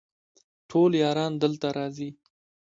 ټول یاران دلته راځي